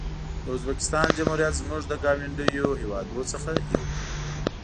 د ازبکستان جمهوریت زموږ له ګاونډیو هېوادونو څخه یو دی.